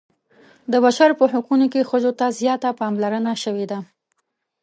د بشر په حقونو کې ښځو ته زیاته پاملرنه شوې ده.